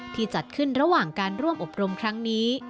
จัดขึ้นระหว่างการร่วมอบรมครั้งนี้